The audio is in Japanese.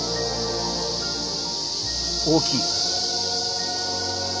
大きい。